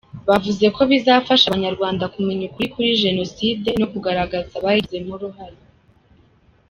Bavuga ko bizafasha Abanyarwanda kumenya ukuri kuri Jenoside no kugaragaza abayigizemo uruhare.